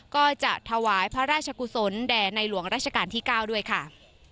ก็จะถวายพระราชกุศลแด่ในหลวงราชการที่๙ด้วยค่ะ